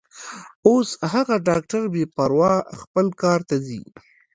اوس هغه ډاکټره بې پروا خپل کار ته ځي.